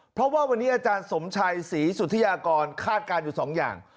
เพราะว่าวันนี้อาจารย์สมชัยศรีสุธิยากรคาดการณ์อยู่สองอย่าง